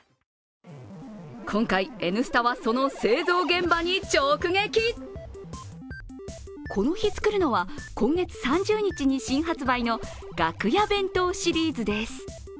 今回「Ｎスタ」はその製造現場に直撃この日作るのは、今月３０日に新発売の楽屋弁当シリーズです。